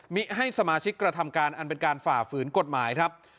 มิให้สมาชิกกระทำการอันเป็นการฝ่าฝืนกฎหมายครับ